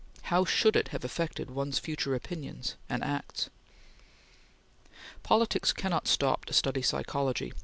How should it have affected one's future opinions and acts? Politics cannot stop to study psychology.